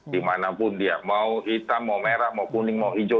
dimanapun dia mau hitam mau merah mau kuning mau hijau